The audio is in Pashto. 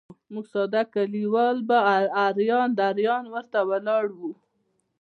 موږ ساده کلیوال به اریان دریان ورته ولاړ وو.